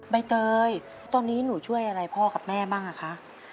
ใบเตยตอนนี้หนูช่วยอะไรพ่อกับแม่บ้างอะคะ